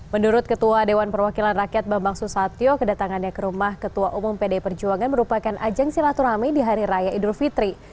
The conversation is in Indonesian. menurut ketua dewan perwakilan rakyat bambang susatyo kedatangannya ke rumah ketua umum pdi perjuangan merupakan ajang silaturahmi di hari raya idul fitri